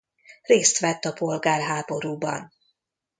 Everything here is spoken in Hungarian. Részt vett a polgárháborúban.